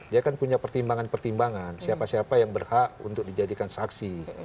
dia kan punya pertimbangan pertimbangan siapa siapa yang berhak untuk dijadikan saksi